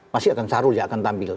masih akan syahrul yang akan tampil